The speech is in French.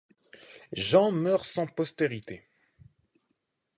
Jean meurt sans postérité.